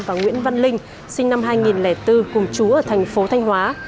và nguyễn văn linh sinh năm hai nghìn bốn cùng chú ở thành phố thanh hóa